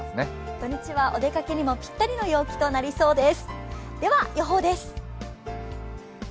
土日はお出かけにもぴったりの陽気となりそうです。